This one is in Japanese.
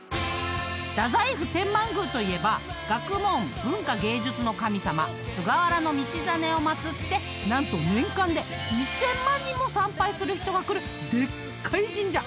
［太宰府天満宮といえば学問文化芸術の神様菅原道真を祭って何と年間で１，０００万人も参拝する人が来るでっかい神社！］